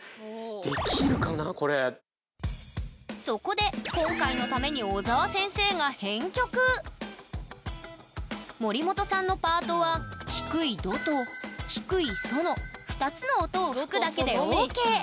そこで今回のために森本さんのパートは「低いド」と「低いソ」の２つの音を吹くだけでＯＫ。